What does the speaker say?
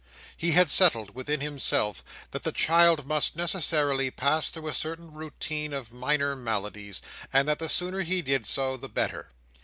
He had settled, within himself, that the child must necessarily pass through a certain routine of minor maladies, and that the sooner he did so the better.